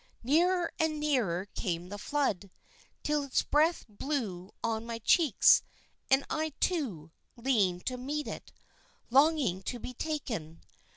Nearer and nearer came the flood, till its breath blew on my cheeks, and I, too, leaned to meet it, longing to be taken.